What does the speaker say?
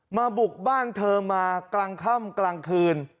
บุกบ้านเธอมากลางค่ำกลางคืน